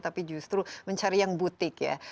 tapi justru mencari yang butik ya